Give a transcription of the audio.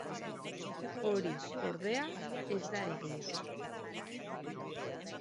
Hori, ordea, ez da egia.